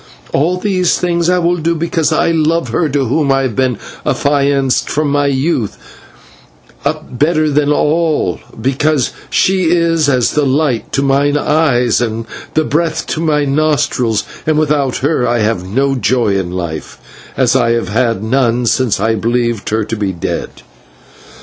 All these things I will do because I love her to whom I have been affianced from my youth up, better than them all, because she is as the light to mine eyes and the breath to my nostrils, and without her I have no joy in life, as I have had none since I believed her to be dead."